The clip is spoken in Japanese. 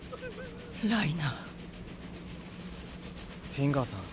フィンガーさん